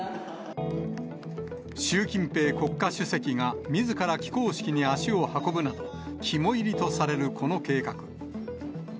習近平国家主席がみずから起工式に足を運ぶなど、肝煎りとされるこの計画。